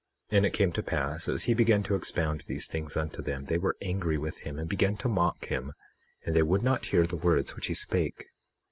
21:10 And it came to pass as he began to expound these things unto them they were angry with him, and began to mock him; and they would not hear the words which he spake.